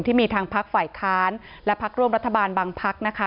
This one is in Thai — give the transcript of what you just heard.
ที่มีทางพักฝ่ายค้านและพักร่วมรัฐบาลบางพักนะคะ